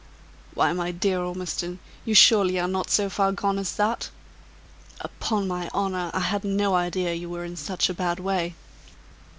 "Why, my dear Ormiston, you surely are not so far gone as that? Upon my honor, I had no idea you were in such a bad way."